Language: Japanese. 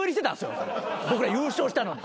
僕ら優勝したのに。